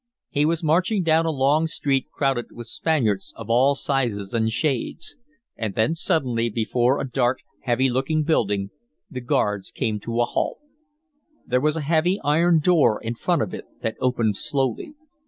He was marching down a long street crowded with Spaniards of all sizes and shades. And then suddenly before a dark, heavy looking building, the guards came to a halt. There was a heavy iron door in front of it that opened slowly.